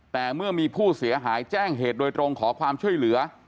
แต่เมื่อมีผู้เสียหายแจ้งเหตุโดยตรงขอความช่วยเหลือ